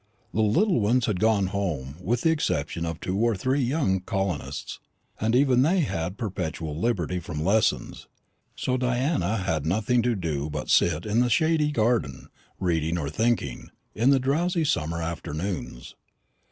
The little ones had gone home, with the exception of two or three young colonists, and even they had perpetual liberty from lessons; so Diana had nothing to do but sit in the shady garden, reading or thinking, in the drowsy summer afternoons.